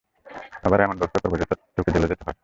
এবার এমন ব্যবস্থা করবো যেন তোকে জেলে যেতে হয়!